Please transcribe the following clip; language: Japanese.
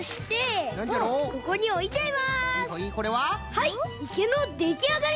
はいいけのできあがり！